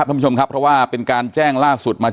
ท่านผู้ชมครับเพราะว่าเป็นการแจ้งล่าสุดมา